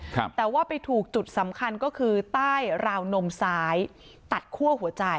ครับแต่ว่าไปถูกจุดสำคัญก็คือใต้ราวนมซ้ายตัดคั่วหัวใจ